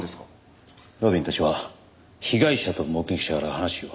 路敏たちは被害者と目撃者から話を。